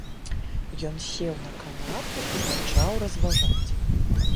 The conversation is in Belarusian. Ён сеў на канапу і пачаў разважаць.